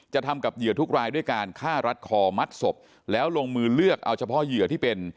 ทำกับเหยื่อทุกรายด้วยการฆ่ารัดคอมัดศพแล้วลงมือเลือกเอาเฉพาะเหยื่อที่เป็น